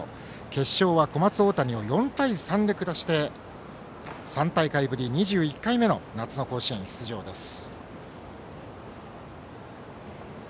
決勝は小松大谷を４対３で下して３大会ぶり２１回目の夏の甲子園に出場です。